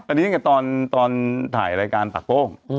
อันนี้กับตอนถ่ายรายการปากโป้ง